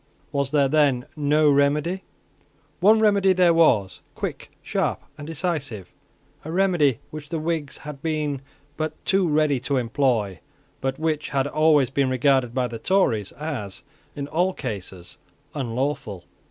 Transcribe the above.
Was there then no remedy? One remedy there was, quick, sharp, and decisive, a remedy which the Whigs had been but too ready to employ, but which had always been regarded by the Tories as, in all cases, unlawful.